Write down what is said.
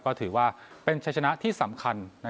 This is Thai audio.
ก็ถือว่าเป็นชัยชนะที่สำคัญ